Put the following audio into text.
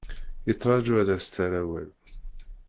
Yettraju ad as-d-terr awal.